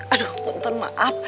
aduh punten maaf